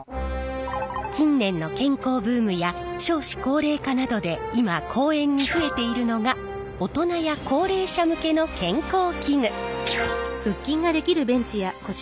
近年の健康ブームや少子高齢化などで今公園に増えているのが大人や高齢者向けの健康器具。